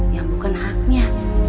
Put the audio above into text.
yang bukan haknya